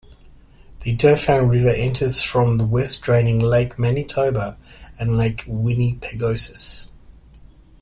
The Dauphin River enters from the west draining Lake Manitoba and Lake Winnipegosis.